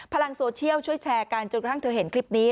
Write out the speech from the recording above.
พลังโซเชียลช่วยแชร์กันจนกระทั่งเธอเห็นคลิปนี้